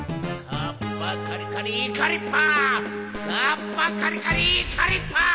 カッパカリカリイカリッパ！